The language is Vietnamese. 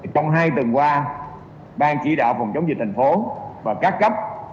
trong hai tuần qua ban chỉ đạo phòng chống dịch thành phố và các cấp